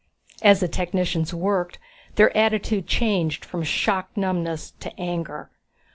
As the technicians worked, their attitude changed from shocked numbness to anger.